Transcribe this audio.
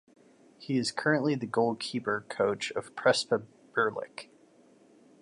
He is currently the goalkeeper coach of Prespa Birlik.